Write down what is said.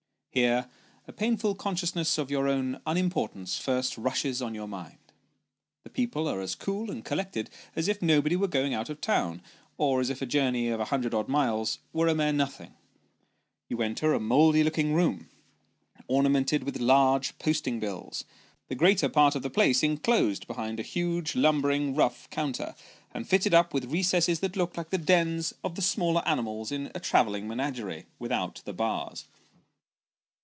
Here a painful consciousness of your own un importance first rushes on your mind the people are as cool and collected as if nobody were going out of town, or as if a journey of a hundred odd miles were a mere nothing. You enter a mouldy looking room, ornamented with large posting bills ; the greater part of the place enclosed behind a huge lumbering rough counter, and fitted up H 98 Sketches by Boz. with recesses that look like the dens of the smaller animals in a travelling menagerie, without the bars.